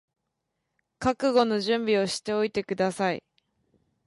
覚悟の準備をしておいてください